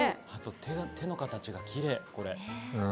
手の形がきれい。